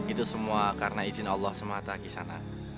itu semua karena izin allah semata kisanat